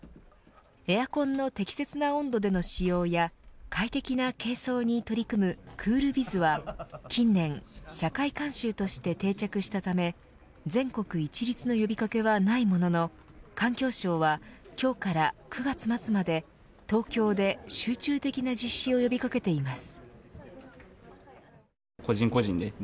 エアコンの適切な温度での使用や快適な軽装に取り組むクールビズは近年、社会慣習として定着したため全国一律の呼び掛けはないものの環境省は今日から９月末まで東京で集中的な実施を呼び掛けています。